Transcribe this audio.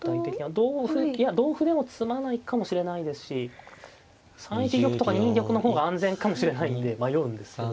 同歩いや同歩でも詰まないかもしれないですし３一玉とか２二玉の方が安全かもしれないんで迷うんですけど。